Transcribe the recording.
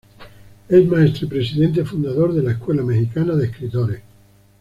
Es maestro y presidente fundador de la Escuela Mexicana de Escritores.